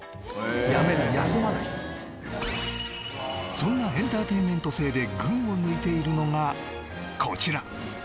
そんなエンターテインメント性で群を抜いているのがこちら